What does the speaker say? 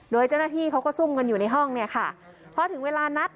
โดยเจ้าหน้าที่เขาก็ซุ่มกันอยู่ในห้องเนี่ยค่ะพอถึงเวลานัด